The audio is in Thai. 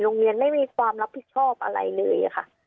โรงเรียนไม่มีความรับผิดชอบอะไรเลยค่ะ